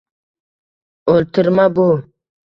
O’ltirma bu